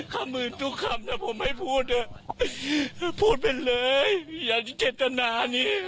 คำอื่นทุกคำนะผมไม่พูดเพราะพูดเป็นเลยอย่าเจตนานี่